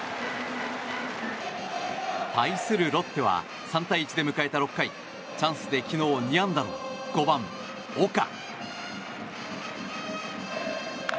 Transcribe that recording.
対するロッテは３対１で迎えた６回チャンスで昨日２安打の５番、岡。